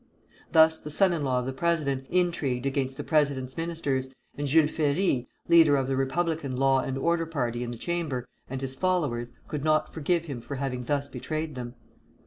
Thus the son in law of the president intrigued against the president's ministers, and Jules Ferry, leader of the Republican law and order party in the Chamber, and his followers, could not forgive him for having thus betrayed them.